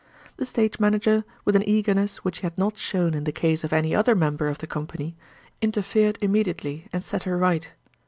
The stage manager, with an eagerness which he had not shown in the case of any other member of the company, interfered immediately, and set her right.